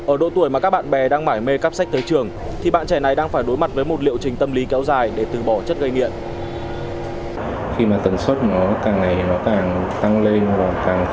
ở độ tuổi mà các bạn bè đang mải mê cắp sách tới trường thì bạn trẻ này đang phải đối mặt với một liệu trình tâm lý kéo dài để từ bỏ chất gây nghiện